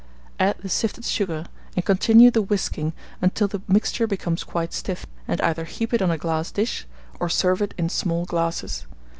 Add the sifted sugar, and continue the whisking until the mixture becomes quite stiff; and either heap it on a glass dish, or serve it in small glasses.